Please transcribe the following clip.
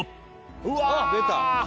うわ！出た。